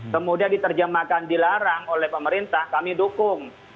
kemudian diterjemahkan dilarang oleh pemerintah kami dukung